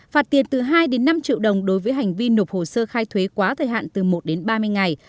phạt tiền từ hai đến năm triệu đồng đối với hành vi nộp hồ sơ khai thuế quá thời hạn từ một đến ba mươi ngày